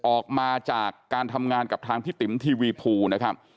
ออกมาจากการทำงานกับทางพี่ติ๋มทีวีภูนะครับ